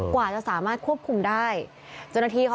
กว่าจะสามารถควบคุมได้